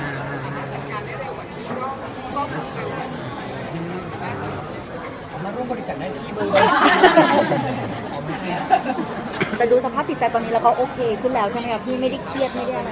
แต่ดูสภาพจิตใจตอนนี้เราก็โอเคขึ้นแล้วใช่ไหมครับพี่ไม่ได้เครียดไม่ได้อะไร